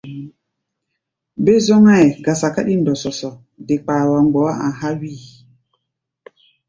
Be-zɔ́ŋáʼɛ gasa káɗí ndɔsɔsɔ, de kpaa wa mgbɔá a̧ há̧ wíi.